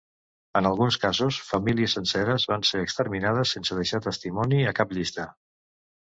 En alguns casos, famílies senceres van ser exterminades, sense deixar testimoni a cap llista.